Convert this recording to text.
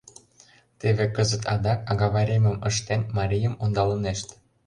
— Теве кызыт адак, агавайремым ыштен, марийым ондалынешт.